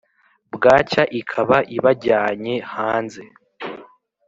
bwacya ikaba ibajyanye hanze